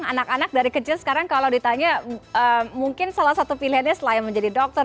anak anak dari kecil sekarang kalau ditanya mungkin salah satu pilihannya selain menjadi dokter